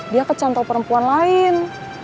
dia kecantau perempuan lain